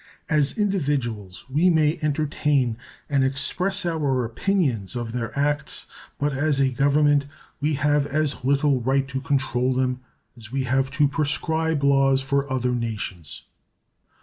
As individuals we may entertain and express our opinions of their acts, but as a Government we have as little right to control them as we have to prescribe laws for other nations.